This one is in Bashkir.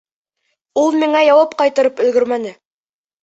Ул миңә яуап ҡайтарып өлгөрмәне.